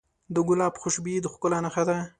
د ګلاب خوشبويي د ښکلا نښه ده.